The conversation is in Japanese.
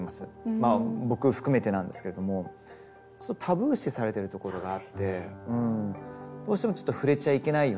まあ僕含めてなんですけれどもタブー視されてるところがあってどうしてもちょっと触れちゃいけないよなっていう。